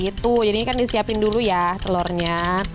gitu jadi ini kan disiapin dulu ya telurnya